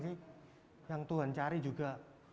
yang tuhan cari juga